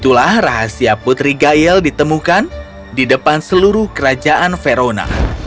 itulah rahasia putri gayel ditemukan di depan seluruh kerajaan verona